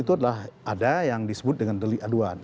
itu adalah ada yang disebut dengan delik aduan